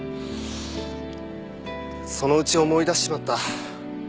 そのうち思い出しちまった。